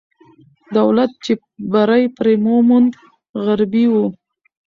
دولت چې بری پرې وموند، غربي وو.